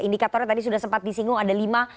indikatornya tadi sudah sempat disinggung ada lima